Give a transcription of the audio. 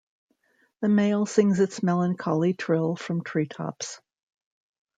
The male sings its melancholy trill from treetops.